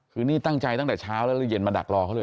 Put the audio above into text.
คือนี่ตั้งใจตั้งแต่เช้าแล้วเย็นมาดักรอเขาเลย